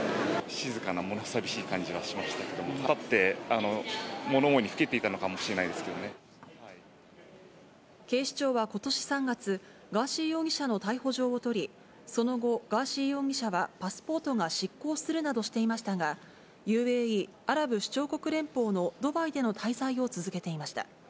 静かな、もの寂しい感じはしましたけど、立って、物思いにふけっていたの警視庁はことし３月、ガーシー容疑者の逮捕状を取り、その後、ガーシー容疑者は、パスポートが失効するなどしていましたが、ＵＡＥ・アラブ首長国連邦のドバイでの滞在を続けていました。